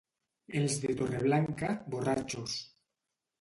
Els de Torreblanca, borratxos.